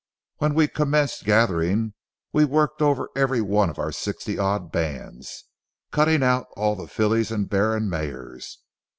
When we commenced gathering we worked over every one of our sixty odd bands, cutting out all the fillies and barren mares.